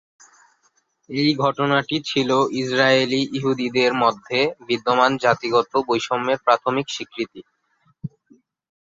এই ঘটনাটি ছিল ইসরায়েলি ইহুদিদের মধ্যে বিদ্যমান জাতিগত বৈষম্যের প্রাথমিক স্বীকৃতি।